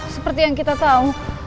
seperti yang kita tahu